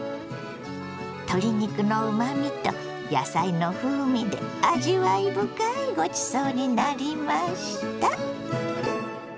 鶏肉のうまみと野菜の風味で味わい深いごちそうになりました。